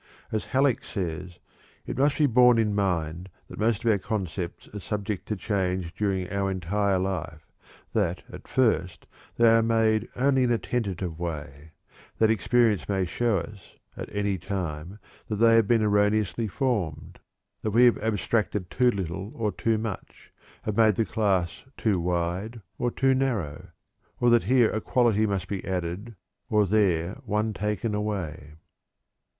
As Halleck says: "It must be borne in mind that most of our concepts are subject to change during our entire life; that at first they are made only in a tentative way; that experience may show us, at any time, that they have been erroneously formed, that we have abstracted too little or too much, made the class too wide or too narrow, or that here a quality must be added or there one taken away."